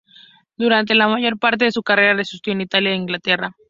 Durante la mayor parte de su carrera, residió en Italia e Inglaterra.